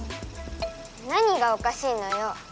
何がおかしいのよ。